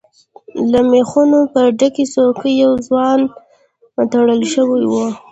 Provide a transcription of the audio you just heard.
له ميخونو پر ډکې څوکی يو ځوان تړل شوی و.